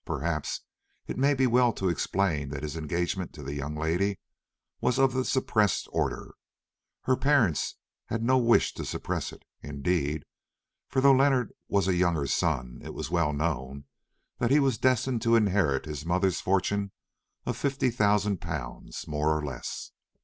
Perhaps it may be well to explain that his engagement to that young lady was of the suppressed order. Her parents had no wish to suppress it, indeed; for though Leonard was a younger son, it was well known that he was destined to inherit his mother's fortune of fifty thousand pounds more or less.